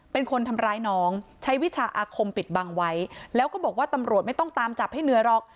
เป็นคนทำร้ายน้องใช้วิชาอาคมปิดบังไว้แล้วก็บอกว่าตำรวจไม่ต้องตามจับให้เหนื่อยหรอก